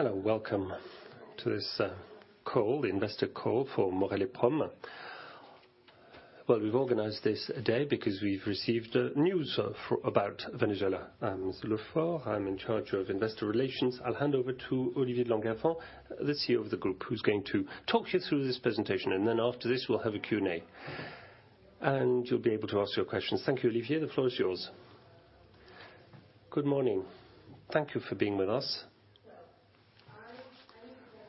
Hello, welcome to this call, investor call for Maurel & Prom. Well, we've organized this day because we've received news about Venezuela. I'm Lefrancq, I'm in charge of investor relations. I'll hand over to Olivier de Langavant, the CEO of the group, who's going to talk you through this presentation, and then after this, we'll have a Q&A. You'll be able to ask your questions. Thank you, Olivier. The floor is yours. Good morning. Thank you for being with us.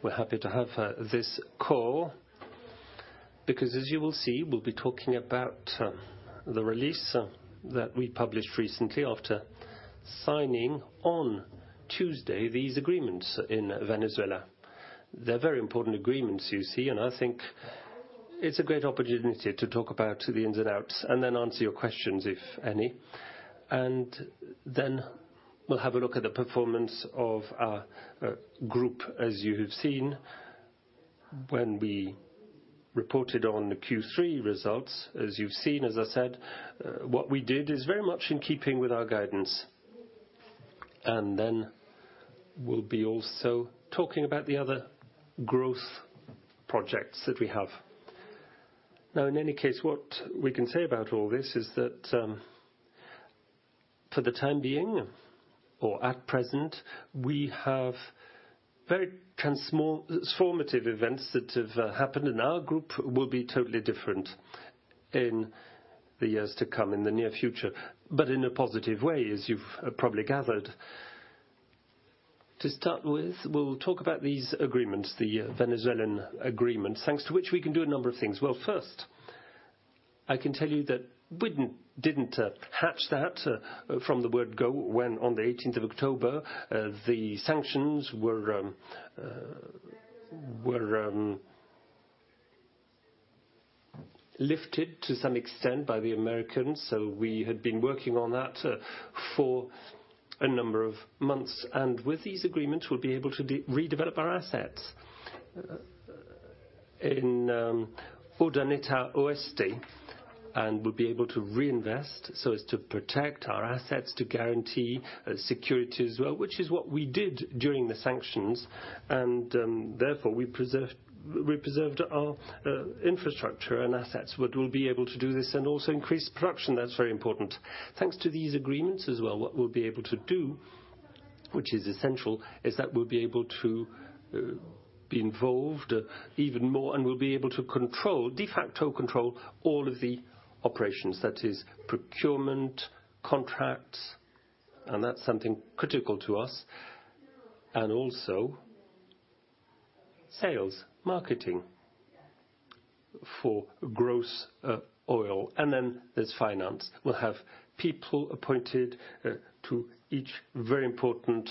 We're happy to have this call, because as you will see, we'll be talking about the release that we published recently after signing on Tuesday these agreements in Venezuela. They're very important agreements, you see, and I think it's a great opportunity to talk about the ins and outs, and then answer your questions, if any. And then we'll have a look at the performance of our group, as you have seen when we reported on the Q3 results, as you've seen. As I said, what we did is very much in keeping with our guidance. And then we'll be also talking about the other growth projects that we have. Now, in any case, what we can say about all this is that, for the time being or at present, we have very transformative events that have happened, and our group will be totally different in the years to come, in the near future, but in a positive way, as you've probably gathered. To start with, we'll talk about these agreements, the Venezuelan agreements, thanks to which we can do a number of things. Well, first, I can tell you that we didn't hatch that from the word go, when on the eighteenth of October, the sanctions were lifted to some extent by the Americans. So we had been working on that for a number of months. And with these agreements, we'll be able to redevelop our assets in Urdaneta Oeste, and we'll be able to reinvest so as to protect our assets, to guarantee security as well, which is what we did during the sanctions. And therefore, we preserved our infrastructure and assets, but we'll be able to do this and also increase production. That's very important. Thanks to these agreements as well, what we'll be able to do, which is essential, is that we'll be able to be involved even more, and we'll be able to control, de facto control, all of the operations, that is procurement, contracts, and that's something critical to us, and also sales, marketing for gross oil. And then there's finance. We'll have people appointed to each very important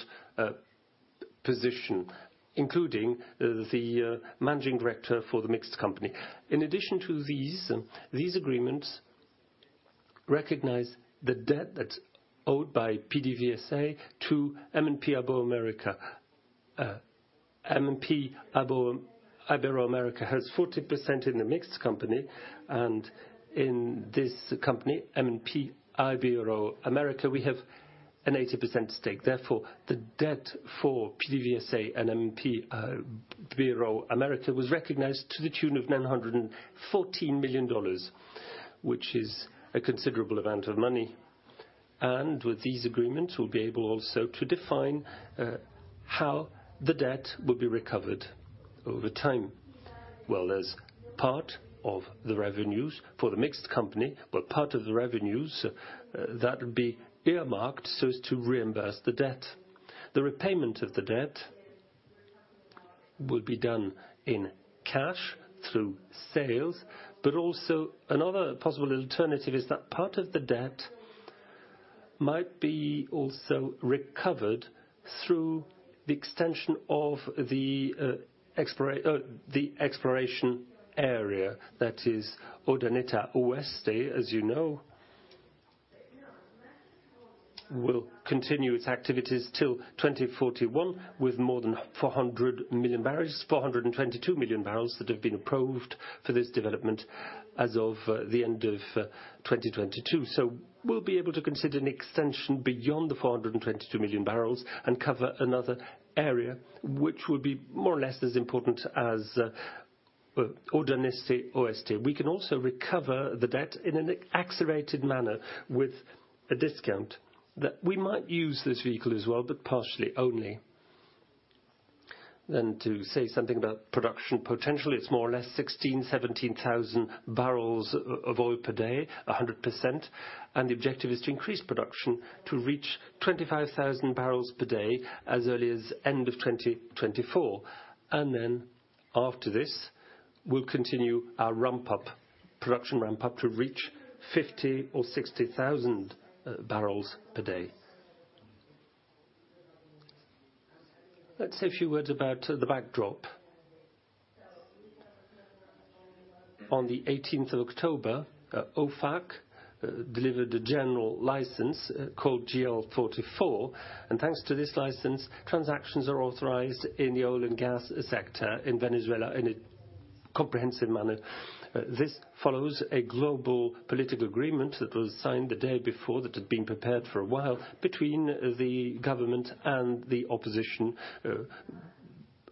position, including the managing director for the mixed company. In addition to these, these agreements recognize the debt that's owed by PDVSA to M&P Iberoamerica. M&P Iberoamerica has 40% in the mixed company, and in this company, M&P Iberoamerica, we have an 80% stake. Therefore, the debt for PDVSA and M&P Iberoamerica was recognized to the tune of $914 million, which is a considerable amount of money. With these agreements, we'll be able also to define how the debt will be recovered over time. Well, as part of the revenues for the mixed company, but part of the revenues that will be earmarked so as to reimburse the debt. The repayment of the debt will be done in cash through sales, but also another possible alternative is that part of the debt might be also recovered through the extension of the exploration area. That is, Urdaneta Oeste, as you know, will continue its activities till 2041, with more than 400 million barrels, 422 million barrels, that have been approved for this development as of the end of 2022. So we'll be able to consider an extension beyond the 422 million barrels and cover another area, which will be more or less as important as Urdaneta Oeste. We can also recover the debt in an accelerated manner with a discount, that we might use this vehicle as well, but partially only. Then to say something about production potential, it's more or less 16,000-17,000 barrels of oil per day, 100%, and the objective is to increase production to reach 25,000 barrels per day as early as end of 2024. And then after this, we'll continue our ramp-up, production ramp-up, to reach 50,000 or 60,000 barrels per day. Let's say a few words about the backdrop. On the eighteenth of October, OFAC delivered a general license called GL 44, and thanks to this license, transactions are authorized in the oil and gas sector in Venezuela in a comprehensive manner. This follows a global political agreement that was signed the day before, that had been prepared for a while, between the government and the opposition,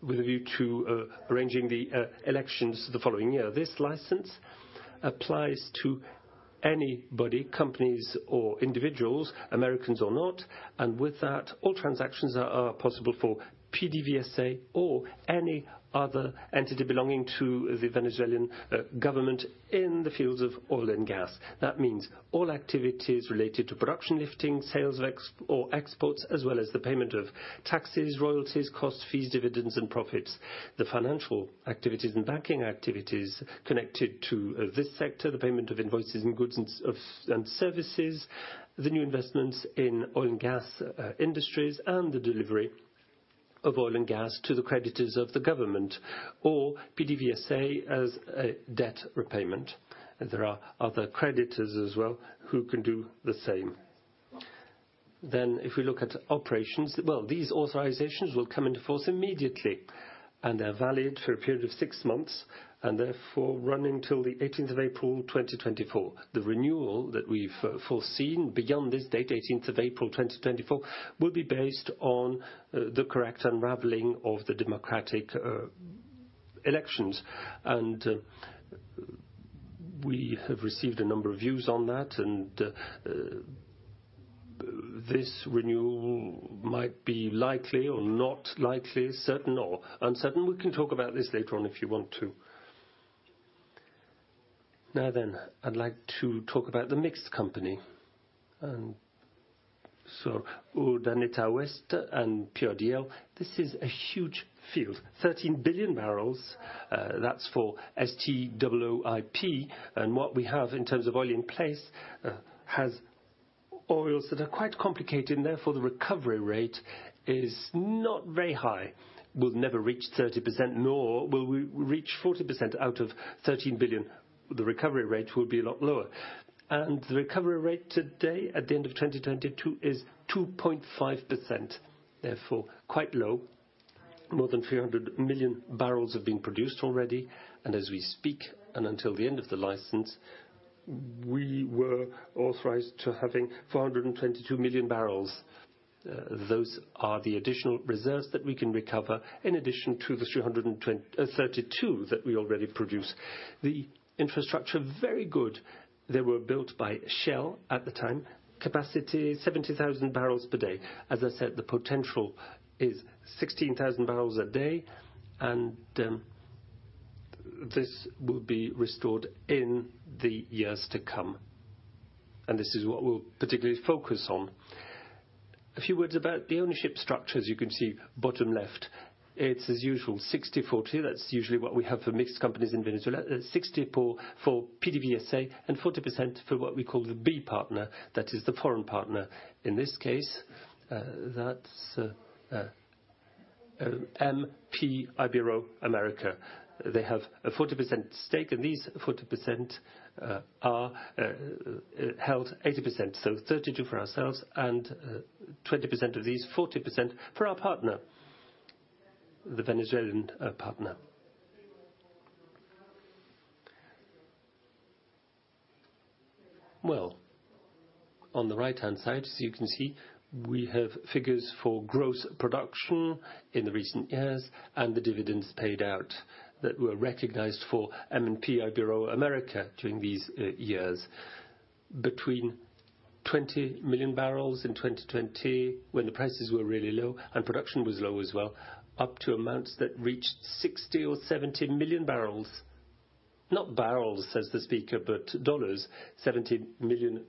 with a view to arranging the elections the following year. This license applies to anybody, companies or individuals, Americans or not, and with that, all transactions are possible for PDVSA or any other entity belonging to the Venezuelan government in the fields of oil and gas. That means all activities related to production lifting, sales or exports, as well as the payment of taxes, royalties, costs, fees, dividends and profits. The financial activities and banking activities connected to this sector, the payment of invoices and goods and services, the new investments in oil and gas industries, and the delivery of oil and gas to the creditors of the government, or PDVSA as a debt repayment. And there are other creditors as well who can do the same. Then, if we look at operations, well, these authorizations will come into force immediately, and they're valid for a period of six months, and therefore run until the eighteenth of April, 2024. The renewal that we've foreseen beyond this date, eighteenth of April, 2024, will be based on the correct unraveling of the democratic elections. And we have received a number of views on that, and this renewal might be likely or not likely, certain or uncertain. We can talk about this later on, if you want to. Now then, I'd like to talk about the mixed company. And so Urdaneta Oeste and PRDL, this is a huge field, 13 billion barrels. That's for STOOIP. And what we have in terms of oil in place has oils that are quite complicated, and therefore, the recovery rate is not very high. We'll never reach 30%, nor will we reach 40% out of 13 billion. The recovery rate today, at the end of 2022, is 2.5%, therefore quite low. More than 300 million barrels have been produced already, and as we speak, and until the end of the license, we were authorized to having 422 million barrels. Those are the additional reserves that we can recover in addition to the 332 that we already produce. The infrastructure, very good. They were built by Shell at the time. Capacity, 70,000 barrels per day. As I said, the potential is 16,000 barrels a day, and this will be restored in the years to come, and this is what we'll particularly focus on. A few words about the ownership structure. As you can see, bottom left, it's as usual, 60/40. That's usually what we have for mixed companies in Venezuela. 60% for PDVSA and 40% for what we call the B partner, that is the foreign partner. In this case, that's M&P Iberoamerica. They have a 40% stake, and these 40% are held 80%, so 32 for ourselves and 20% of these 40% for our partner, the Venezuelan partner. Well, on the right-hand side, as you can see, we have figures for gross production in the recent years and the dividends paid out that were recognized for M&P Iberoamerica during these years. Between 20 million barrels in 2020, when the prices were really low and production was low as well, up to amounts that reached 60 or 70 million barrels. Not barrels, but dollars, $70 million,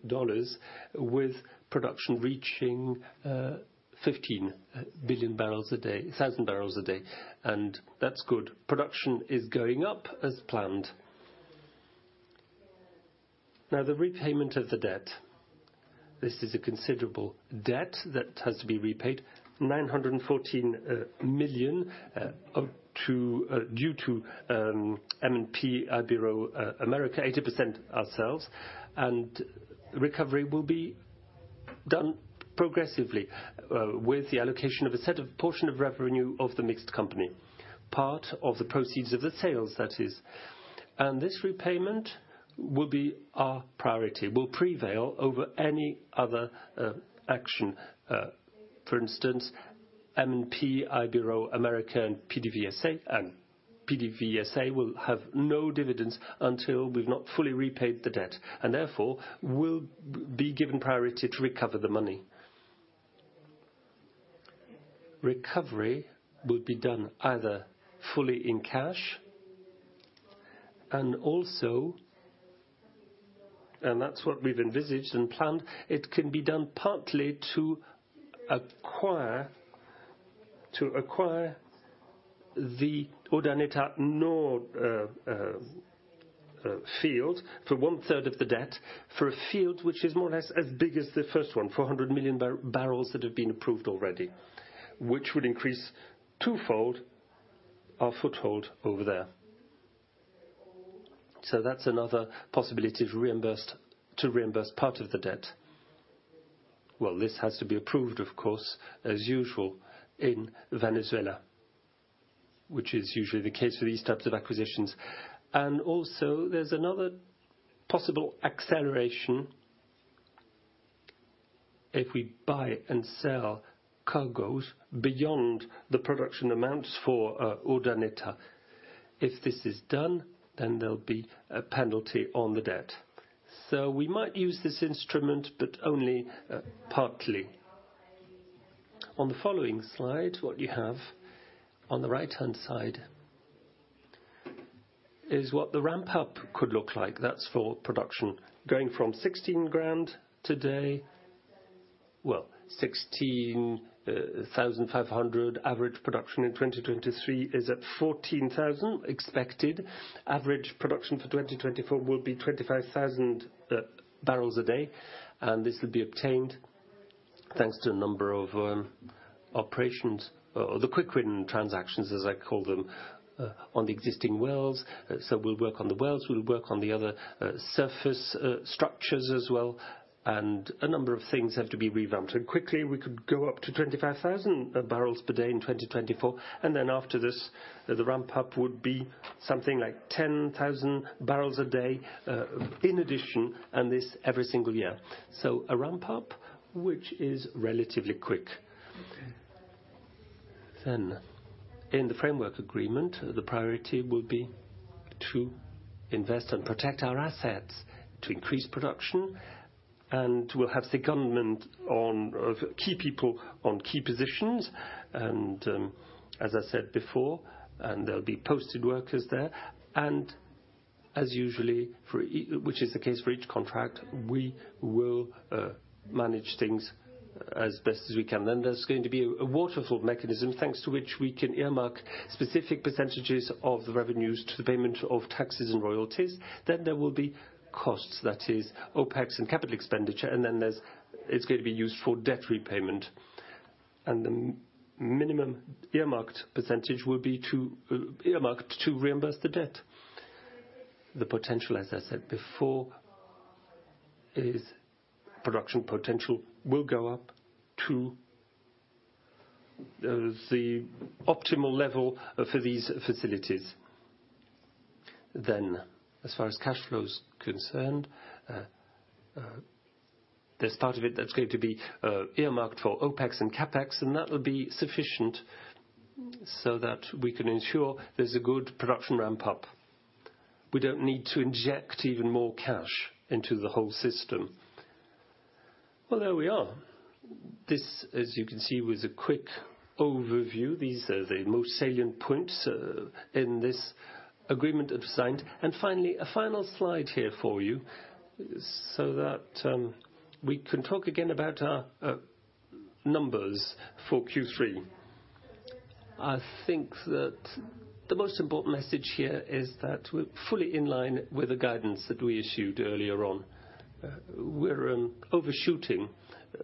with production reaching 15 thousand barrels a day, and that's good. Production is going up as planned. Now, the repayment of the debt. This is a considerable debt that has to be repaid. 914 million up to due to M&P Iberoamerica, 80% ourselves, and recovery will be done progressively with the allocation of a set of portion of revenue of the mixed company, part of the proceeds of the sales that is. This repayment will be our priority, will prevail over any other action. For instance, M&P Iberoamerica and PDVSA, and PDVSA will have no dividends until we've not fully repaid the debt, and therefore will be given priority to recover the money. Recovery will be done either fully in cash and also, and that's what we've envisaged and planned, it can be done partly to acquire, to acquire the Urdaneta Norte field for one third of the debt, for a field which is more or less as big as the first one, 400 million barrels that have been approved already, which would increase twofold our foothold over there. So that's another possibility to reimburse, to reimburse part of the debt. Well, this has to be approved, of course, as usual in Venezuela, which is usually the case for these types of acquisitions. And also, there's another possible acceleration if we buy and sell cargoes beyond the production amounts for Urdaneta. If this is done, then there'll be a penalty on the debt. So we might use this instrument, but only partly. On the following slide, what you have on the right-hand side is what the ramp-up could look like. That's for production, going from 16,000 today. Well, 16,500 average production in 2023 is at 14,000 expected. Average production for 2024 will be 25,000 barrels a day, and this will be obtained thanks to a number of operations or the quick-winning transactions, as I call them, on the existing wells. So we'll work on the wells, we'll work on the other surface structures as well, and a number of things have to be revamped. And quickly, we could go up to 25,000 barrels per day in 2024, and then after this, the ramp-up would be something like 10,000 barrels a day in addition, and this every single year. So a ramp-up, which is relatively quick. Then in the framework agreement, the priority will be to invest and protect our assets, to increase production, and we'll have the government on key people on key positions. As I said before, and there'll be posted workers there, and as usual, which is the case for each contract, we will manage things as best as we can. Then there's going to be a waterfall mechanism, thanks to which we can earmark specific percentages of the revenues to the payment of taxes and royalties. Then there will be costs, that is OpEx and capital expenditure, and then it's going to be used for debt repayment. And the minimum earmarked percentage will be earmarked to reimburse the debt. The potential, as I said before, is production potential will go up to the optimal level for these facilities. Then, as far as cash flow is concerned, there's part of it that's going to be earmarked for OpEx and CapEx, and that will be sufficient so that we can ensure there's a good production ramp-up. We don't need to inject even more cash into the whole system. Well, there we are. This, as you can see, was a quick overview. These are the most salient points in this agreement that we've signed. And finally, a final slide here for you, so that we can talk again about our numbers for Q3. I think that the most important message here is that we're fully in line with the guidance that we issued earlier on. We're overshooting,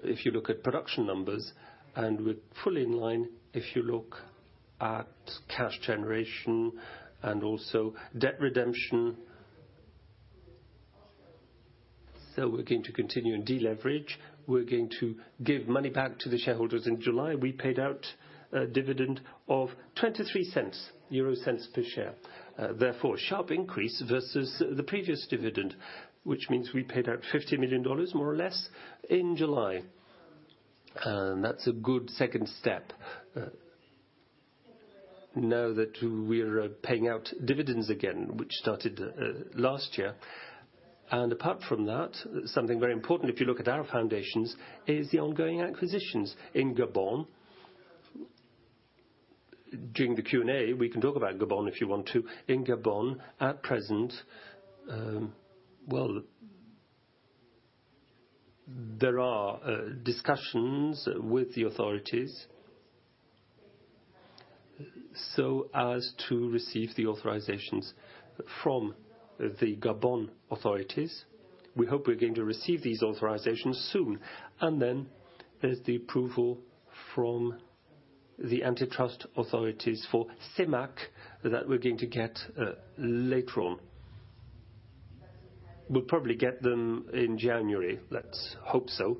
if you look at production numbers, and we're fully in line if you look at cash generation and also debt redemption. So we're going to continue and deleverage. We're going to give money back to the shareholders. In July, we paid out a dividend of 0.23 per share. Therefore, a sharp increase versus the previous dividend, which means we paid out $50 million, more or less, in July. That's a good second step, now that we're paying out dividends again, which started last year. Apart from that, something very important, if you look at our foundations, is the ongoing acquisitions in Gabon. During the Q&A, we can talk about Gabon, if you want to. In Gabon, at present, well, there are discussions with the authorities so as to receive the authorizations from the Gabon authorities. We hope we're going to receive these authorizations soon. And then there's the approval from the antitrust authorities for CEMAC that we're going to get, later on. We'll probably get them in January. Let's hope so,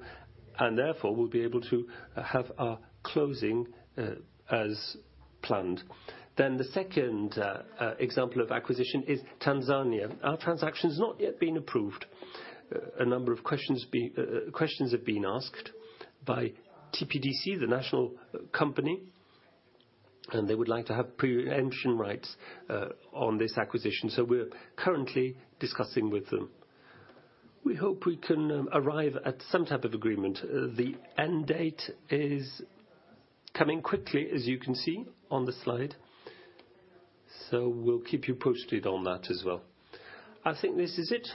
and therefore, we'll be able to have our closing, as planned. Then the second example of acquisition is Tanzania. Our transaction has not yet been approved. A number of questions have been asked by TPDC, the national company, and they would like to have pre-emption rights, on this acquisition. So we're currently discussing with them. We hope we can arrive at some type of agreement. The end date is coming quickly, as you can see on the slide, so we'll keep you posted on that as well. I think this is it.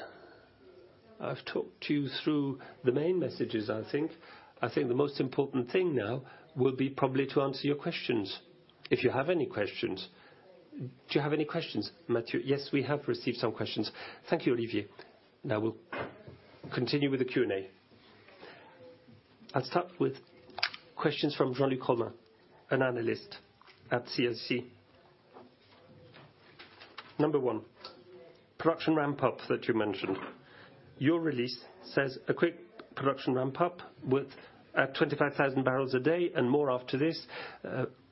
I've talked you through the main messages, I think. I think the most important thing now will be probably to answer your questions, if you have any questions. Do you have any questions, Matthieu? Yes, we have received some questions. Thank you, Olivier. Now we'll continue with the Q&A. I'll start with questions from Jean-Luc Romain, an analyst at CIC Market Solutions. Number one, production ramp up that you mentioned. Your release says a quick production ramp up with at 25,000 barrels a day and more after this.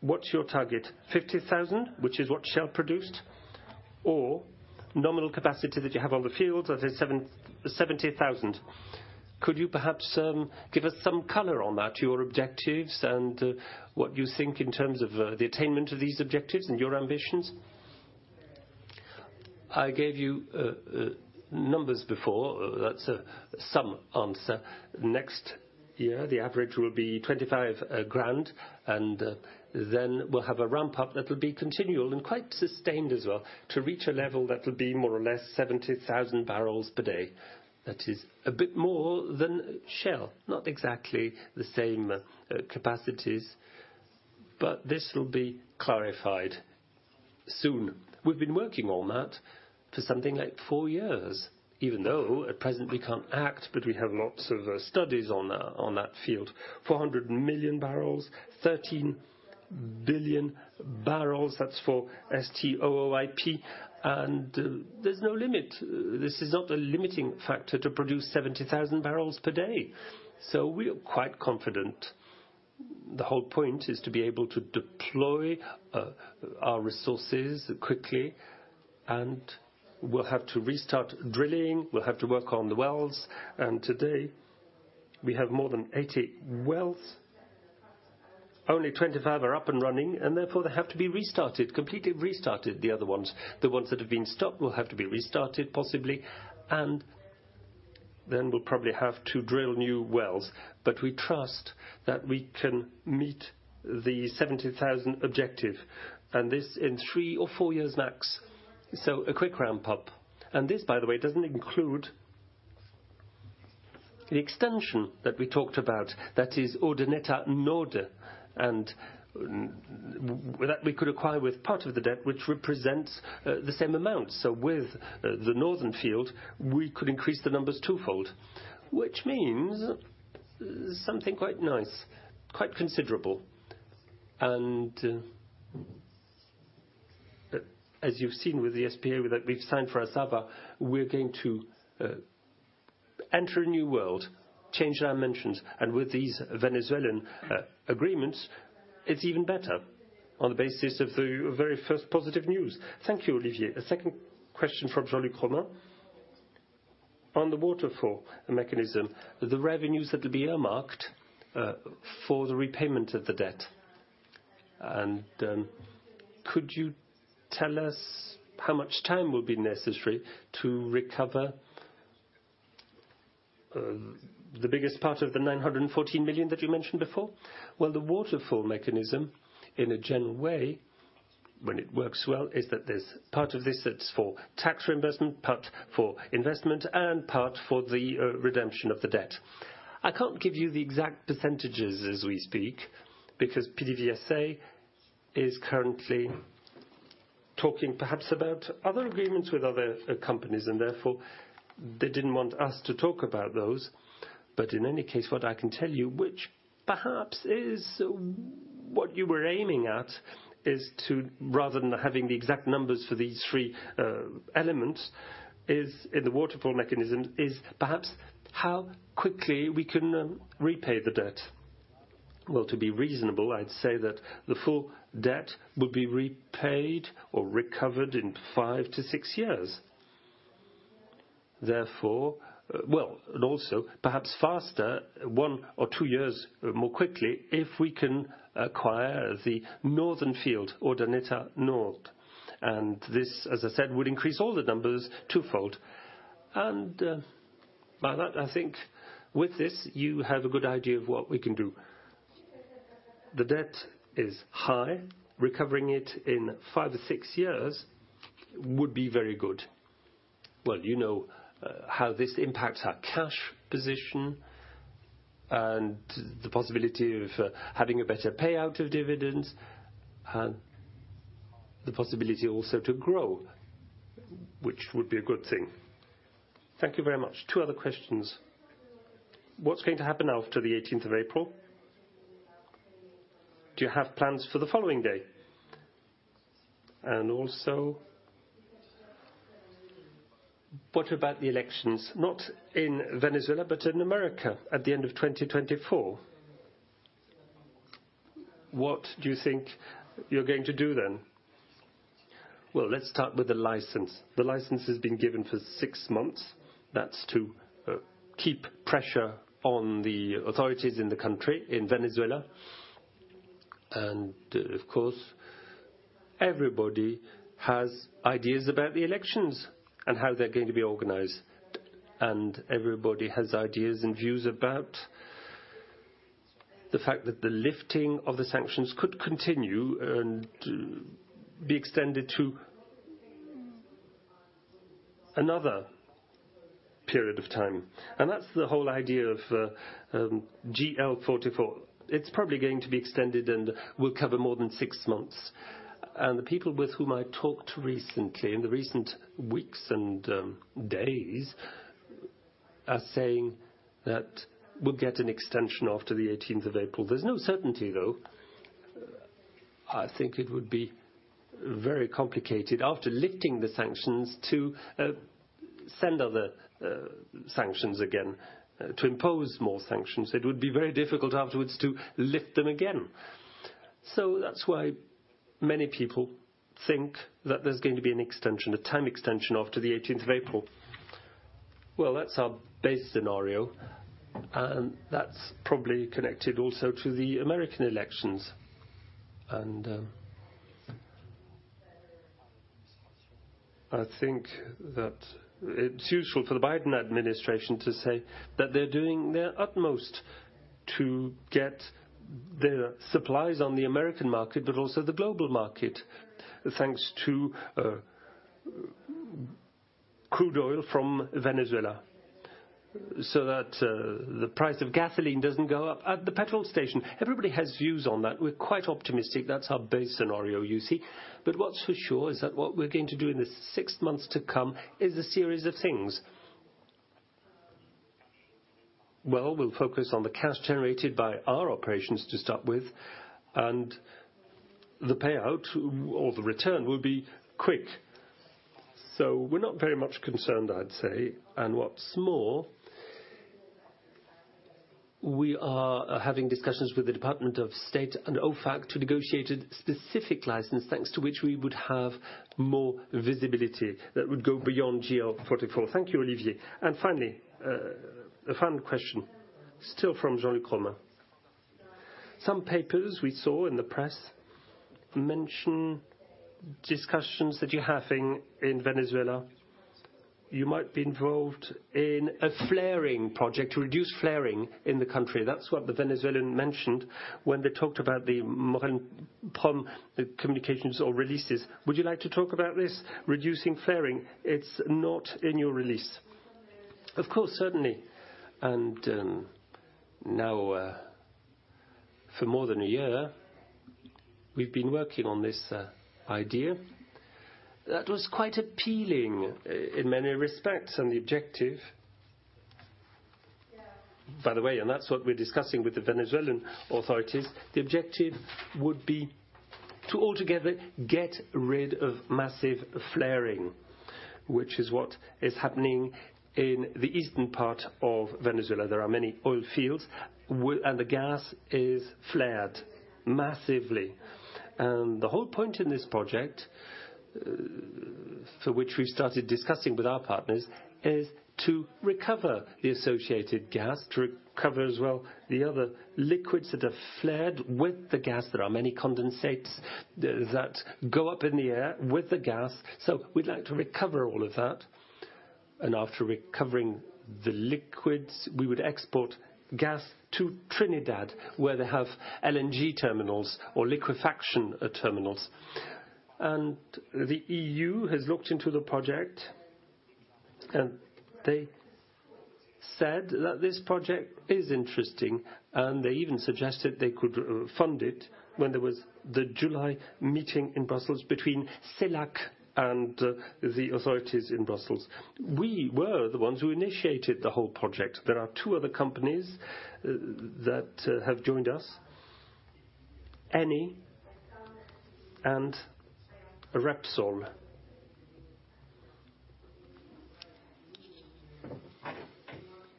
What's your target? 50,000, which is what Shell produced, or nominal capacity that you have on the fields, that is 70,000. Could you perhaps give us some color on that, your objectives and what you think in terms of the attainment of these objectives and your ambitions? I gave you numbers before. That's some answer. Next year, the average will be 25 grand, and then we'll have a ramp up that will be continual and quite sustained as well, to reach a level that will be more or less 70,000 barrels per day. That is a bit more than Shell, not exactly the same capacities, but this will be clarified soon. We've been working on that for something like 4 years, even though at present we can't act, but we have lots of studies on that field. 400 million barrels, 13 billion barrels, that's for STOOIP, and there's no limit. This is not a limiting factor to produce 70,000 barrels per day, so we are quite confident. The whole point is to be able to deploy our resources quickly, and we'll have to restart drilling, we'll have to work on the wells, and today we have more than 80 wells. Only 25 are up and running, and therefore, they have to be restarted, completely restarted, the other ones. The ones that have been stopped will have to be restarted, possibly, and then we'll probably have to drill new wells, but we trust that we can meet the 70,000 objective, and this in 3 or 4 years max. So a quick ramp up. And this, by the way, doesn't include the extension that we talked about, that is Urdaneta Norte, and that we could acquire with part of the debt, which represents the same amount. So with the northern field, we could increase the numbers twofold, which means something quite nice, quite considerable. As you've seen with the SPA that we've signed for Assala, we're going to enter a new world, change our mentions, and with these Venezuelan agreements, it's even better on the basis of the very first positive news. Thank you, Olivier. A second question from Jean-Luc Romain. On the waterfall mechanism, the revenues that will be earmarked for the repayment of the debt. Could you tell us how much time will be necessary to recover the biggest part of the 914 million that you mentioned before? Well, the waterfall mechanism, in a general way, when it works well, is that there's part of this that's for tax reimbursement, part for investment and part for the redemption of the debt. I can't give you the exact percentages as we speak, because PDVSA is currently talking perhaps about other agreements with other companies, and therefore, they didn't want us to talk about those. But in any case, what I can tell you, which perhaps is what you were aiming at, is to rather than having the exact numbers for these three elements, is, in the waterfall mechanism, is perhaps how quickly we can repay the debt. Well, to be reasonable, I'd say that the full debt will be repaid or recovered in five to six years. Therefore... Well, and also perhaps faster, one or two years more quickly, if we can acquire the northern field, Urdaneta Norte. And this, as I said, would increase all the numbers twofold. And by that, I think with this, you have a good idea of what we can do. The debt is high. Recovering it in 5-6 years would be very good. Well, you know, how this impacts our cash position and the possibility of, having a better payout of dividends, and the possibility also to grow, which would be a good thing. Thank you very much. Two other questions. What's going to happen after the eighteenth of April? Do you have plans for the following day? And also, what about the elections, not in Venezuela, but in America, at the end of 2024? What do you think you're going to do then? Well, let's start with the license. The license has been given for six months. That's to keep pressure on the authorities in the country, in Venezuela. Of course, everybody has ideas about the elections and how they're going to be organized, and everybody has ideas and views about the fact that the lifting of the sanctions could continue and be extended to another period of time. That's the whole idea of GL 44. It's probably going to be extended and will cover more than 6 months. The people with whom I talked recently, in the recent weeks and days are saying that we'll get an extension after the 18th of April. There's no certainty, though. I think it would be very complicated after lifting the sanctions to send other sanctions again, to impose more sanctions. It would be very difficult afterwards to lift them again. So that's why many people think that there's going to be an extension, a time extension after the 18th of April. Well, that's our base scenario, and that's probably connected also to the American elections. I think that it's useful for the Biden administration to say that they're doing their utmost to get their supplies on the American market, but also the global market, thanks to crude oil from Venezuela, so that the price of gasoline doesn't go up at the petrol station. Everybody has views on that. We're quite optimistic. That's our base scenario, you see, but what's for sure is that what we're going to do in the six months to come is a series of things. Well, we'll focus on the cash generated by our operations to start with, and the payout or the return will be quick. We're not very much concerned, I'd say. What's more, we are having discussions with the Department of State and OFAC to negotiate a specific license, thanks to which we would have more visibility that would go beyond GL 44. Thank you, Olivier. Finally, the final question, still from Jean-Luc Romain. Some papers we saw in the press mention discussions that you're having in Venezuela. You might be involved in a flaring project to reduce flaring in the country. That's what the Venezuelan mentioned when they talked about the Maurel & Prom, the communications or releases. Would you like to talk about this? Reducing flaring. It's not in your release. Of course, certainly, and now, for more than a year, we've been working on this idea that was quite appealing in many respects. And the objective... By the way, and that's what we're discussing with the Venezuelan authorities, the objective would be to altogether get rid of massive flaring, which is what is happening in the eastern part of Venezuela. There are many oil fields, and the gas is flared massively. And the whole point in this project, for which we started discussing with our partners, is to recover the associated gas, to recover as well the other liquids that are flared with the gas. There are many condensates that go up in the air with the gas, so we'd like to recover all of that. After recovering the liquids, we would export gas to Trinidad, where they have LNG terminals or liquefaction terminals. The EU has looked into the project, and they said that this project is interesting, and they even suggested they could fund it when there was the July meeting in Brussels between CELAC and the authorities in Brussels. We were the ones who initiated the whole project. There are two other companies that have joined us, Eni and Repsol.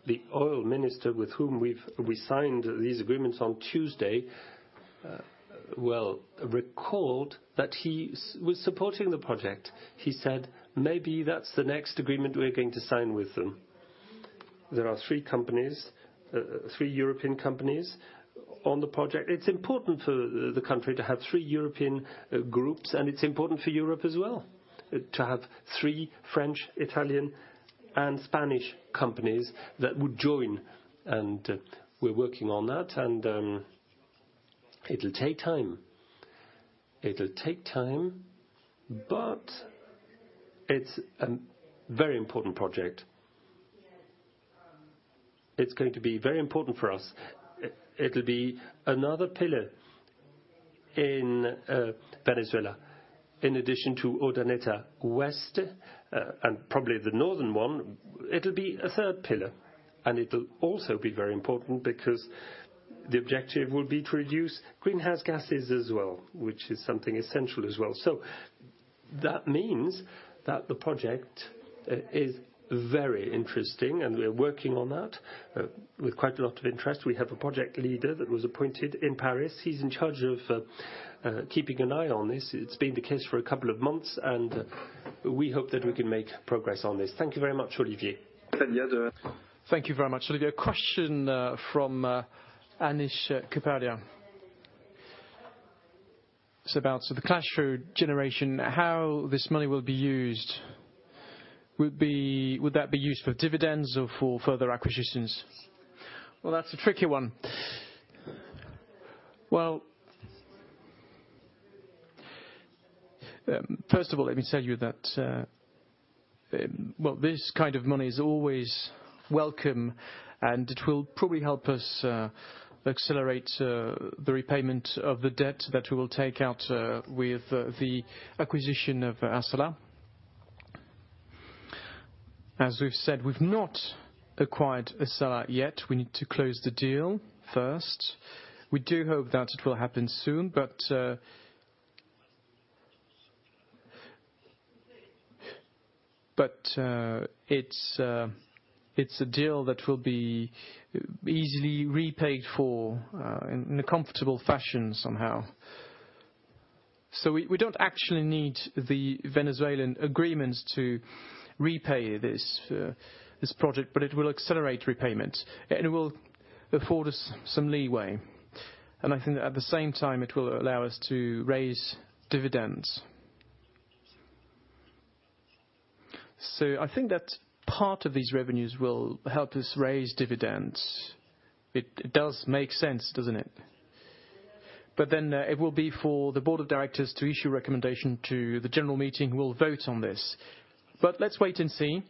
The oil minister, with whom we've signed these agreements on Tuesday, well, recalled that he was supporting the project. He said, "Maybe that's the next agreement we're going to sign with them." There are three companies, three European companies on the project. It's important for the country to have three European groups, and it's important for Europe as well to have three French, Italian, and Spanish companies that would join. And we're working on that, and it'll take time. It'll take time, but it's a very important project. It's going to be very important for us. It'll be another pillar in Venezuela, in addition to Urdaneta West and probably the northern one. It'll be a third pillar, and it'll also be very important because the objective will be to reduce greenhouse gases as well, which is something essential as well. So that means that the project is very interesting, and we are working on that with quite a lot of interest. We have a project leader that was appointed in Paris. He's in charge of keeping an eye on this. It's been the case for a couple of months, and we hope that we can make progress on this. Thank you very much, Olivier. Thank you very much, Olivier. A question from Anish Kapadia. It's about the cash flow generation, how this money will be used. Would that be used for dividends or for further acquisitions? Well, that's a tricky one. Well, first of all, let me tell you that, well, this kind of money is always welcome, and it will probably help us accelerate the repayment of the debt that we will take out with the acquisition of Assala. ...As we've said, we've not acquired Assala yet. We need to close the deal first. We do hope that it will happen soon, but, but, it's a, it's a deal that will be easily repaid for, in, in a comfortable fashion somehow. So we, we don't actually need the Venezuelan agreement to repay this, this project, but it will accelerate repayment, and it will afford us some leeway. And I think that at the same time, it will allow us to raise dividends. So I think that part of these revenues will help us raise dividends. It, it does make sense, doesn't it? But then, it will be for the board of directors to issue a recommendation to the general meeting, who will vote on this. But let's wait and see.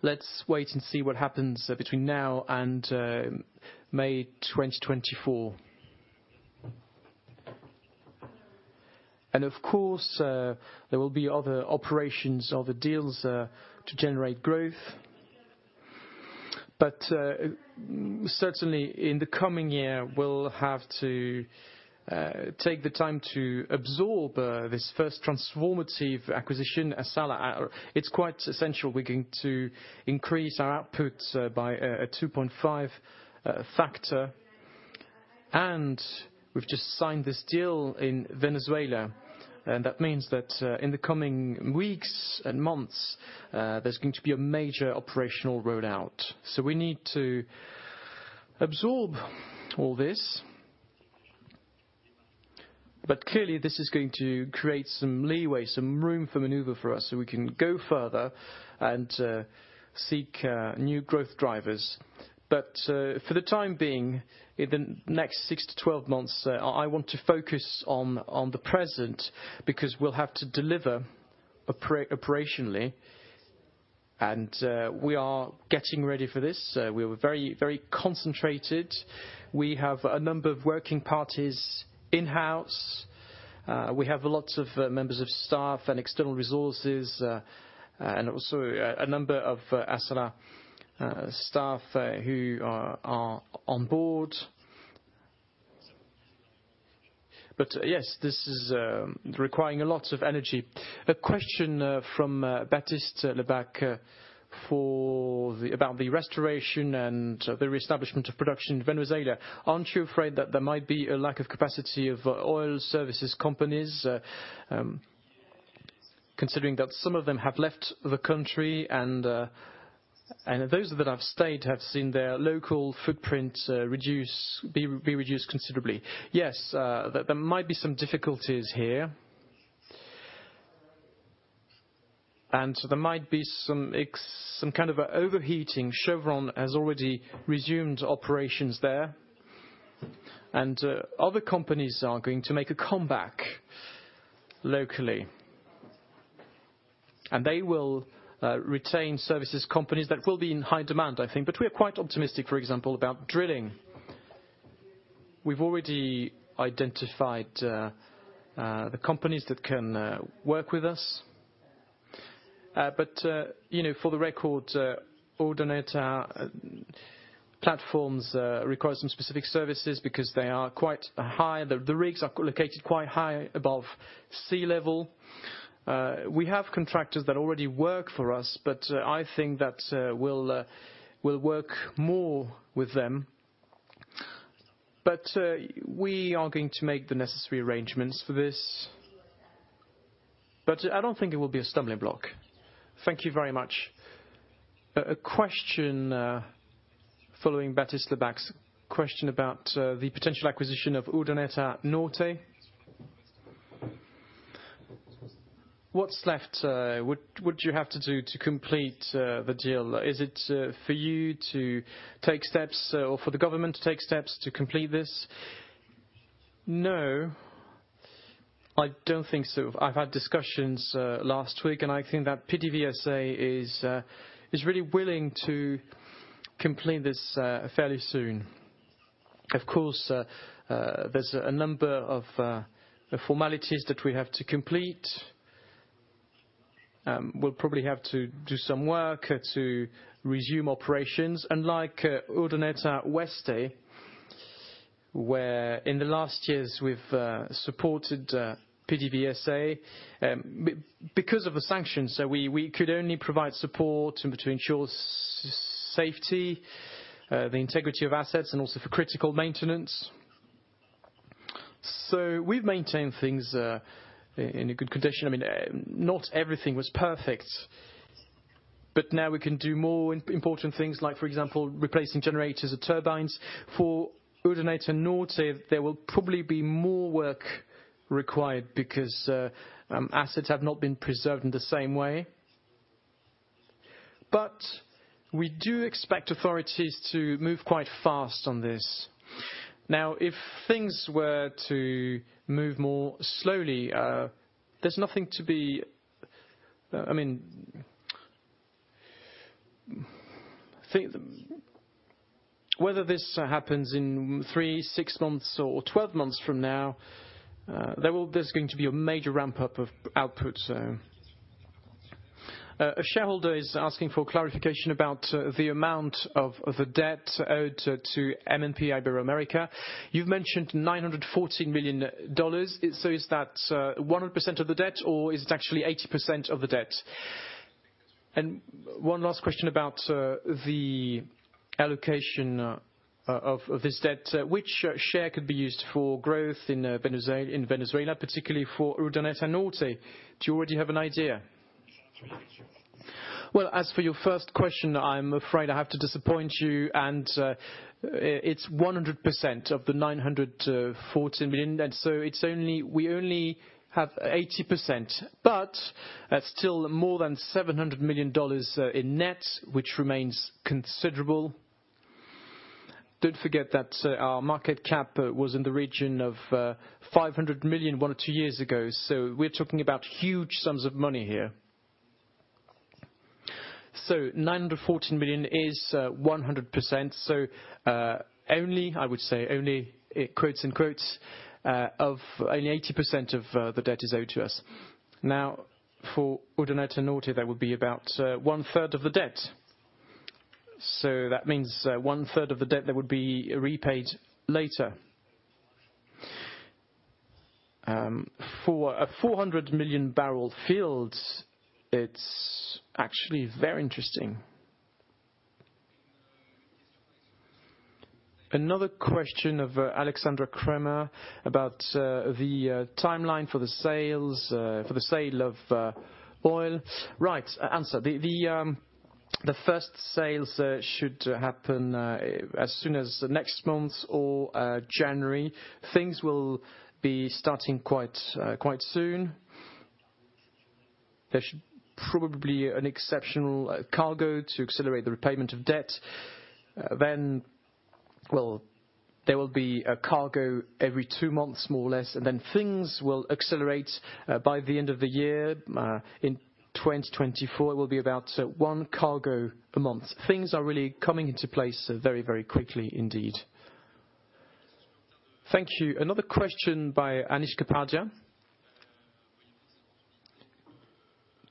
Let's wait and see what happens between now and May 2024. And of course, there will be other operations, other deals to generate growth. But certainly in the coming year, we'll have to take the time to absorb this first transformative acquisition, Assala. It's quite essential. We're going to increase our output by a 2.5 factor. And we've just signed this deal in Venezuela, and that means that in the coming weeks and months, there's going to be a major operational rollout. So we need to absorb all this. But clearly, this is going to create some leeway, some room for maneuver for us, so we can go further and seek new growth drivers. But, for the time being, in the next 6-12 months, I want to focus on the present, because we'll have to deliver operationally, and we are getting ready for this. We are very, very concentrated. We have a number of working parties in-house. We have lots of members of staff and external resources, and also a number of Assala staff who are on board. But, yes, this is requiring a lot of energy. A question from Baptiste Lebacq about the restoration and the reestablishment of production in Venezuela. Aren't you afraid that there might be a lack of capacity of oil services companies, considering that some of them have left the country, and those that have stayed have seen their local footprint be reduced considerably? Yes, there might be some difficulties here. There might be some kind of an overheating. Chevron has already resumed operations there, and other companies are going to make a comeback locally. They will retain services companies that will be in high demand, I think. But we are quite optimistic, for example, about drilling. We've already identified the companies that can work with us. But you know, for the record, Urdaneta platforms require some specific services because they are quite high. The rigs are located quite high above sea level. We have contractors that already work for us, but I think that we'll work more with them. But we are going to make the necessary arrangements for this, but I don't think it will be a stumbling block. Thank you very much. A question following Baptiste Lebacq's question about the potential acquisition of Urdaneta Norte. What's left would you have to do to complete the deal? Is it for you to take steps or for the government to take steps to complete this? No, I don't think so. I've had discussions last week, and I think that PDVSA is really willing to complete this fairly soon. Of course, there's a number of formalities that we have to complete. We'll probably have to do some work to resume operations, unlike Urdaneta Oeste, where in the last years we've supported PDVSA. Because of the sanctions, so we could only provide support and to ensure safety, the integrity of assets, and also for critical maintenance. So we've maintained things in a good condition. I mean, not everything was perfect, but now we can do more important things, like, for example, replacing generators or turbines. For Urdaneta Norte, there will probably be more work required because assets have not been preserved in the same way. But we do expect authorities to move quite fast on this. Now, if things were to move more slowly, there's nothing to be... I think whether this happens in three, six months or 12 months from now, there is going to be a major ramp up of output, so. A shareholder is asking for clarification about the amount of the debt owed to M&P Iberoamerica. You've mentioned $914 million. So is that 100% of the debt or is it actually 80% of the debt? And one last question about the allocation of this debt. Which share could be used for growth in Venezuela, particularly for Urdaneta Norte? Do you already have an idea? Well, as for your first question, I'm afraid I have to disappoint you, and it's 100% of the $914 million, and so we only have 80%, but that's still more than $700 million in net, which remains considerable. Don't forget that our market cap was in the region of $500 million, 1 or 2 years ago, so we're talking about huge sums of money here. So $914 million is 100%. So, only, I would say, only in quotes, unquotes of only 80% of the debt is owed to us. Now, for Urdaneta Norte, that would be about one third of the debt. So that means one third of the debt that would be repaid later. For a 400 million barrel field, it's actually very interesting. Another question of Alexandra Kramer about the timeline for the sales for the sale of oil. Right, answer, the first sales should happen as soon as the next month or January. Things will be starting quite soon. There should probably an exceptional cargo to accelerate the repayment of debt. Then, well, there will be a cargo every two months, more or less, and then things will accelerate by the end of the year. In 2024, it will be about one cargo per month. Things are really coming into place very, very quickly indeed. Thank you. Another question by Anish Kapadia.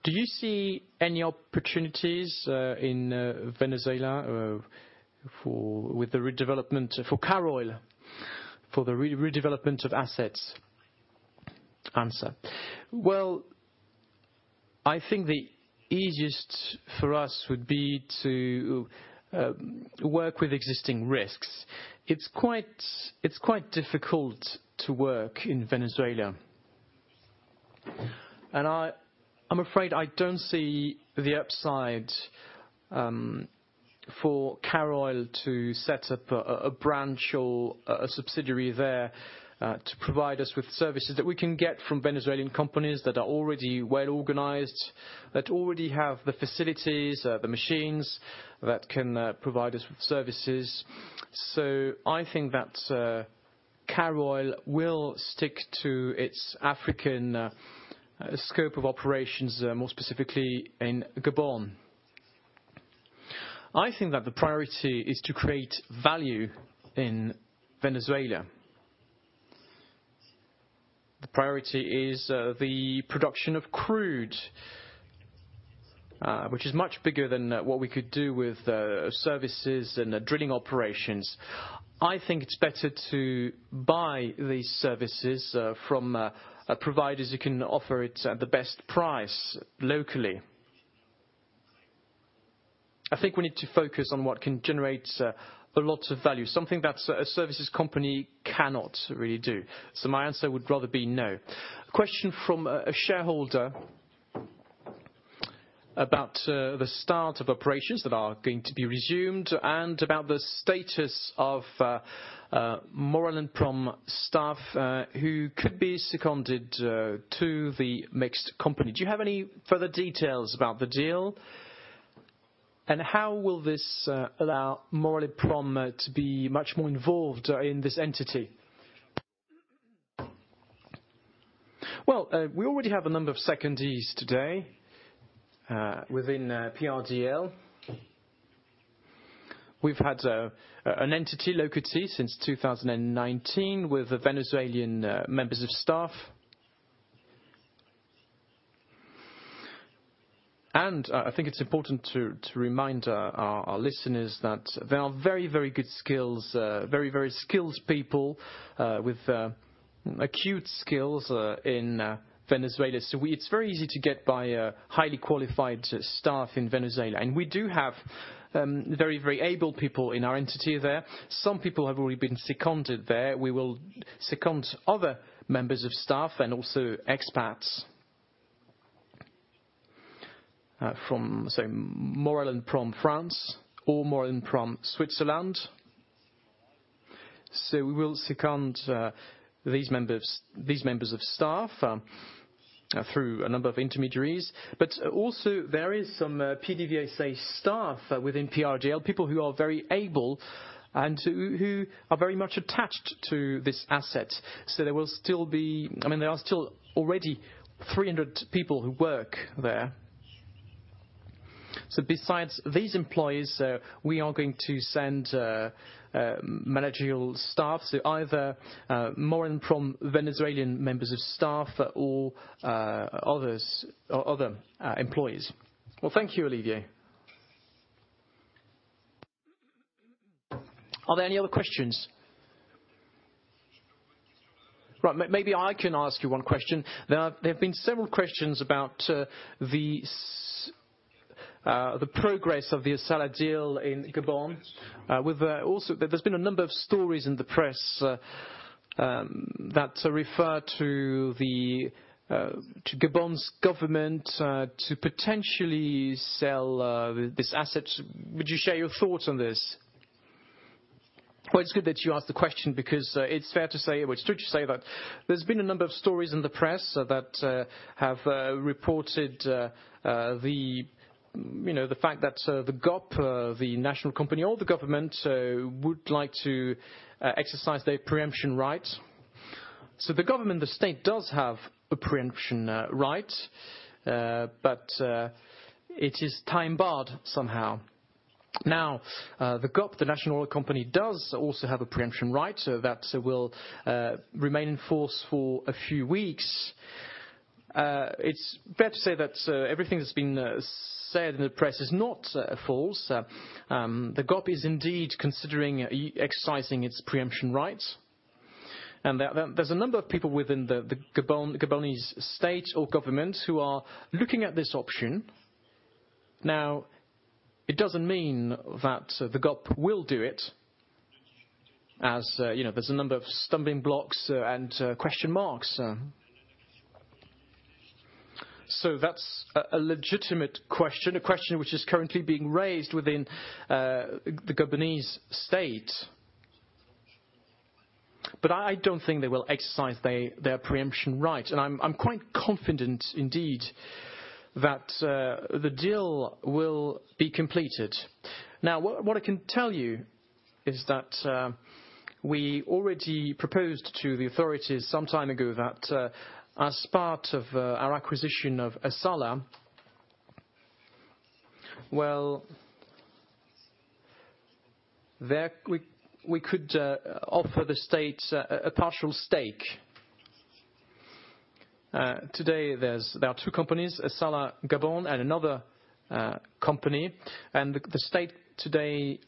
Do you see any opportunities in Venezuela for with the redevelopment for Caroil for the redevelopment of assets? Answer: Well, I think the easiest for us would be to work with existing rigs. It's quite difficult to work in Venezuela. I'm afraid I don't see the upside for Caroil to set up a branch or a subsidiary there to provide us with services that we can get from Venezuelan companies that are already well organized, that already have the facilities, the machines that can provide us with services. So I think that Caroil will stick to its African scope of operations more specifically in Gabon. I think that the priority is to create value in Venezuela. The priority is the production of crude, which is much bigger than what we could do with services and the drilling operations. I think it's better to buy these services from providers who can offer it at the best price locally. I think we need to focus on what can generate a lot of value, something that a services company cannot really do. So my answer would rather be no. A question from a shareholder about the start of operations that are going to be resumed and about the status of Maurel & Prom staff, who could be seconded to the mixed company. Do you have any further details about the deal? And how will this allow Maurel & Prom to be much more involved in this entity? Well, we already have a number of secondees today within PRDL. We've had an entity, locally, since 2019 with the Venezuelan members of staff. And I think it's important to remind our listeners that there are very, very good skills, very, very skilled people with acute skills in Venezuela. So it's very easy to get by highly qualified staff in Venezuela, and we do have very, very able people in our entity there. Some people have already been seconded there. We will second other members of staff and also expats from, say, Maurel & Prom, France, or Maurel & Prom, Switzerland. So we will second these members of staff through a number of intermediaries. But also there is some PDVSA staff within PRDL, people who are very able and who are very much attached to this asset. So there will still be. I mean, there are still already 300 people who work there. So besides these employees, we are going to send managerial staff. So either more in from Venezuelan members of staff or others, or other employees. Well, thank you, Olivier. Are there any other questions? Right, maybe I can ask you one question. There are, there have been several questions about the progress of the Assala deal in Gabon. Also, there's been a number of stories in the press that refer to Gabon's government to potentially sell this asset. Would you share your thoughts on this? Well, it's good that you asked the question because, it's fair to say, which it's true to say that there's been a number of stories in the press that have reported, you know, the fact that the GOC, the national company or the government, would like to exercise their preemption rights. So the government, the state, does have a preemption right, but it is time-barred somehow. Now, the GOC, the national oil company, does also have a preemption right, so that will remain in force for a few weeks. It's fair to say that everything that's been said in the press is not false. The GOC is indeed considering exercising its preemption rights. There, there's a number of people within the Gabon, the Gabonese state or government who are looking at this option. Now, it doesn't mean that the GOC will do it, as you know, there's a number of stumbling blocks and question marks. So that's a legitimate question, a question which is currently being raised within the Gabonese state. But I don't think they will exercise their pre-emption right, and I'm quite confident indeed that the deal will be completed. Now, what I can tell you is that we already proposed to the authorities some time ago that, as part of our acquisition of Assala, well, there we could offer the state a partial stake. Today there are two companies, Assala Gabon and another company, and the state today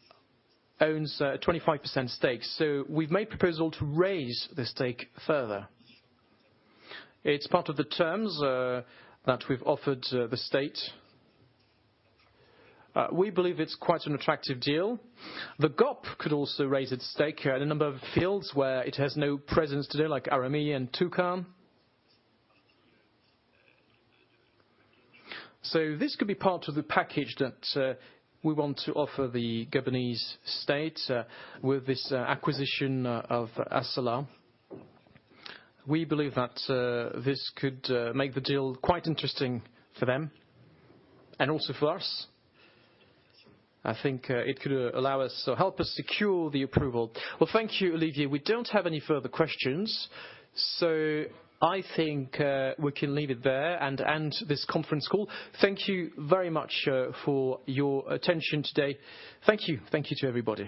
owns 25% stake. So we've made proposal to raise the stake further. It's part of the terms that we've offered the state. We believe it's quite an attractive deal. The GOC could also raise its stake here in a number of fields where it has no presence today, like Atora and Toucan. So this could be part of the package that we want to offer the Gabonese state with this acquisition of Assala. We believe that this could make the deal quite interesting for them and also for us. I think it could allow us or help us secure the approval. Well, thank you, Olivier. We don't have any further questions, so I think, we can leave it there and end this conference call. Thank you very much, for your attention today. Thank you. Thank you to everybody.